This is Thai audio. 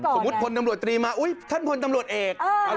สมมุติผนตำรวจเตรียมมาท่านผนตำรวจเอก